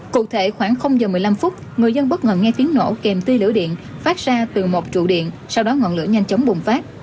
cụ thể khoảng giờ một mươi năm phút người dân bất ngờ nghe tiếng nổ kèm tư lửa điện phát ra từ một trụ điện sau đó ngọn lửa nhanh chóng bùng phát